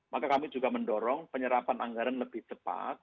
maka kami juga mendorong penyerapan anggaran lebih cepat